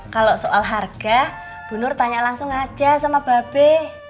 kalo soal harga bunur tanya langsung aja sama ba be